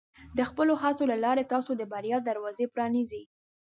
د خپلو هڅو له لارې، تاسو د بریا دروازه پرانیزئ.